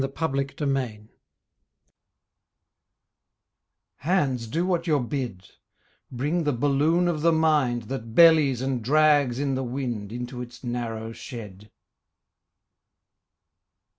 THE BALLOON OF THE MIND Hands, do what you're bid; Bring the balloon of the mind That bellies and drags in the wind Into its narrow shed.